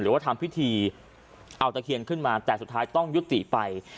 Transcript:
หรือว่าทำพิธีเอาตะเคียนขึ้นมาแต่สุดท้ายต้องยุติไป